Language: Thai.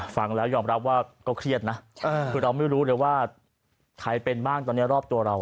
ฟังแล้วยอมรับว่าก็เครียดนะคือเราไม่รู้เลยว่าใครเป็นบ้างตอนนี้รอบตัวเรา